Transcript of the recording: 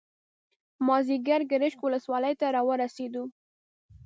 مازیګر ګرشک ولسوالۍ ته راورسېدو.